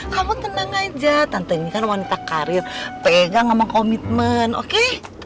kamu tenang aja tante ini kan wanita karir pegang sama komitmen oke